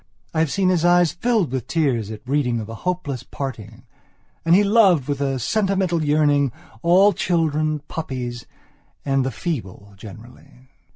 I have seen his eyes filled with tears at reading of a hopeless parting. And he loved, with a sentimental yearning, all children, puppies, and the feeble generally...